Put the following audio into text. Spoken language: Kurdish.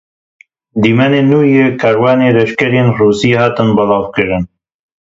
Dîmenên nû yên karwana leşkerên Rûsî hatin belavkirin.